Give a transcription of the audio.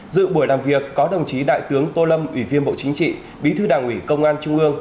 dự buổi làm việc có đồng chí đại tướng tô lâm ủy viên bộ chính trị bí thư đảng ủy công an trung ương